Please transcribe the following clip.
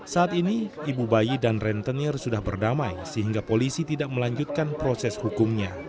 saat ini ibu bayi dan rentenir sudah berdamai sehingga polisi tidak melanjutkan proses hukumnya